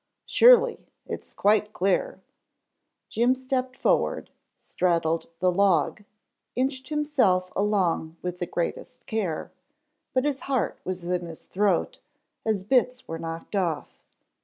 "Surely, it's quite clear." Jim stepped forward, straddled the log, inched himself along with the greatest care, but his heart was in his throat as bits were knocked off.